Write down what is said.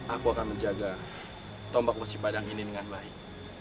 aku akan menjaga tombak masih padang ini dengan baik